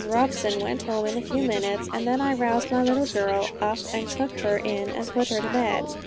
Robson went home in a few minutes, and then I roused my little girl up and took her in and put her to bed.